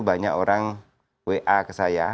banyak orang wa ke saya